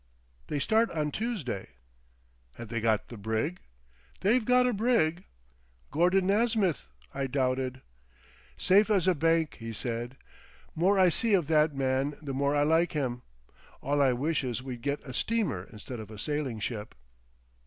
"They start on Toosday." "Have they got the brig?" "They've got a brig." "Gordon Nasmyth!" I doubted. "Safe as a bank," he said. "More I see of that man the more I like him. All I wish is we'd got a steamer instead of a sailing ship."